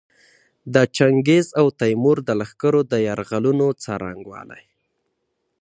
د چنګیز او تیمور د لښکرو د یرغلونو څرنګوالي.